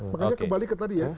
makanya kembali ke tadi ya